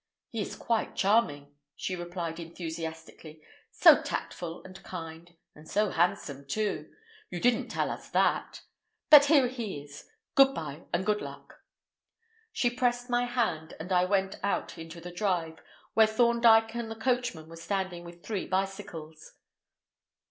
"He is quite charming," she replied enthusiastically; "so tactful and kind, and so handsome, too. You didn't tell us that. But here he is. Good bye, and good luck." She pressed my hand, and I went out into the drive, where Thorndyke and the coachman were standing with three bicycles.